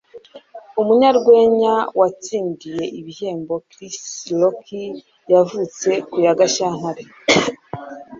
Umunyarwenya watsindiye ibihembo Chris Rock yavutse ku ya Gashyantare .